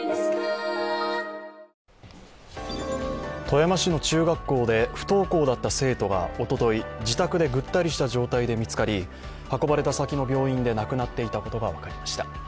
富山市の中学校で不登校だったせいとがおととい自宅でぐったりした状態で見つかり運ばれた先の病院で亡くなっていたことが分かりました。